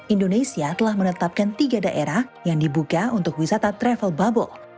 indonesia telah menetapkan tiga daerah yang dibuka untuk wisata travel bubble